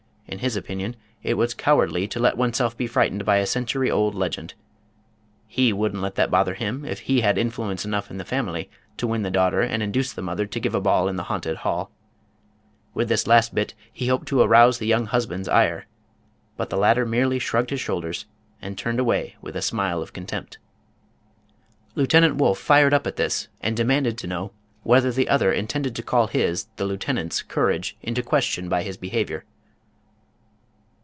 In his opinion it was cowardly to let oneself be frightened by a century old legend. He wouldn't let that bother him if he had influence enough in the family to win the daughter and induce the mother to give a ball in the haunted hall. With this last hit he hoped to arouse the young husband's ire. But the latter merely shrugged his shoulders and turned away with a smile of contempt. Lieutenant Wolff fired up at this, and demanded to know whether the other intended to call his, the lieutenant's, courage into question by his behavior.